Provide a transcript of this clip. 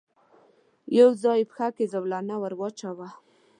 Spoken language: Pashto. يو ځای پر پښه کې زولنه ور واچاوه.